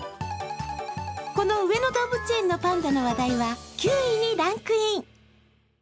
この上野動物園のパンダの話題は９位にランクイン。